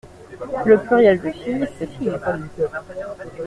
Le pluriel de fille c’est filles.